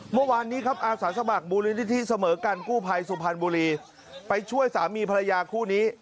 เมื่อวานนี้ครับอาสาสมัครมูลนิธิเสมอกันกู้ภัยสุพรรณบุรีไปช่วยสามีภรรยาคู่นี้